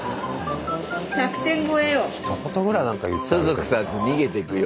ひと言ぐらいなんか言ってあげてもさ。